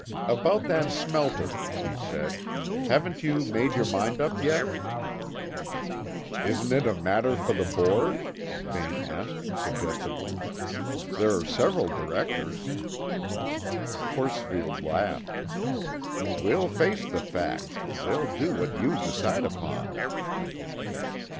"About that smelter," he said. "Haven't you make your mind up yet?" "Isn't it a matter for the board?" Vane asked suggestively. "There are several directors." Horsfield laughed. "We'll face the fact; they'll do what you decide upon."